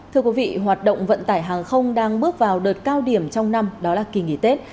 thưa quý vị hoạt động vận tải hàng không đang bước vào đợt cao điểm trong năm đó là kỳ nghỉ tết